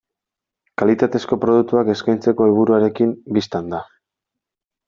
Kalitatezko produktuak eskaintzeko helburuarekin, bistan da.